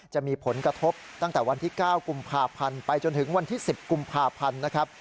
จะมีผลกระทบตั้งแต่วันที่๙กุมภาพันธ์ไปจนถึงวันที่๑๐กุมภาพันธ์นะครับ